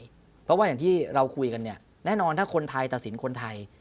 เพราะว่าอย่างที่เราคุยกันเนี่ยแน่นอนถ้าคนไทยตัดสินคนไทย